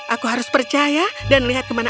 aku harus percaya dan lihat kemana